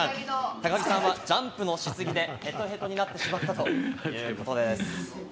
高木さんはジャンプのしすぎでヘトヘトになってしまったということです。